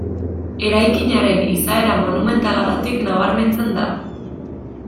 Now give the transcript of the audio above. Eraikinaren izaera monumentalagatik nabarmentzen da.